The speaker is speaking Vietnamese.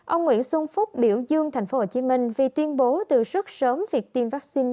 ông nguyễn xuân phúc biểu dương tp hcm vì tuyên bố từ rất sớm việc tiêm vaccine